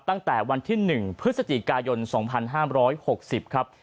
ตั้งแต่วันที่๑พฤศจิกายน๒๕๖๐ครับ